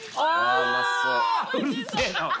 うるせぇな！